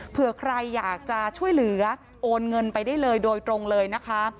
เผื่อใครอยากจะช่วยเหลือโอนเงินไปได้เลยโดยตรงเลยนะคะ